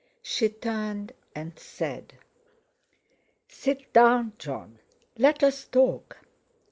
She turned and said: "Sit down, Jon; let's talk."